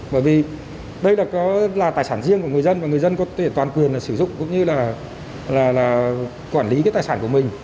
bởi vì đây có là tài sản riêng của người dân và người dân có thể toàn quyền sử dụng cũng như là quản lý cái tài sản của mình